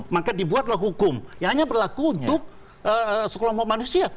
maka dibuatlah hukum yang hanya berlaku untuk sekelompok manusia